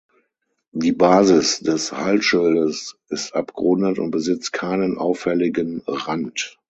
Die Basis des Halsschildes ist abgerundet und besitzt keinen auffälligen Rand.